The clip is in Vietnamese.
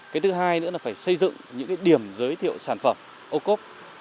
cái thứ hai nữa là phải xây dựng những điểm giới thiệu sản phẩm ô cốp